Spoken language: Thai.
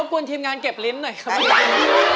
กวนทีมงานเก็บลิ้นหน่อยครับ